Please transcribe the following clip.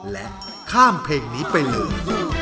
และข้ามเพลงนี้ไปเลย